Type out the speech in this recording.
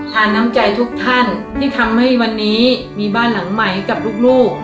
น้ำใจทุกท่านที่ทำให้วันนี้มีบ้านหลังใหม่ให้กับลูก